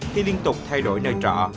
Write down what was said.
khi liên tục thay đổi nơi trọ